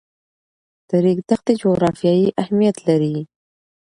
د ریګ دښتې جغرافیایي اهمیت لري.